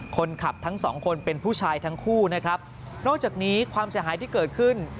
คนขับทั้งสองคนเป็นผู้ชายทั้งคู่นะครับนอกจากนี้ความเสียหายที่เกิดขึ้น